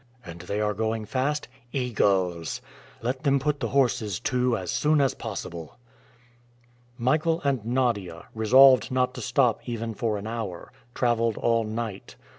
"And they are going fast?" "Eagles!" "Let them put the horses to as soon as possible." Michael and Nadia, resolved not to stop even for an hour, traveled all night.